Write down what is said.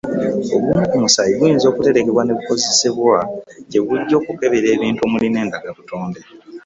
Ogumu ku musaayi guyinza okuterekebwa ne gukozesebwa gye bujja okukebera ebintu omuli n’endagabutonde.